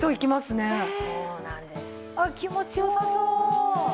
気持ちよさそう。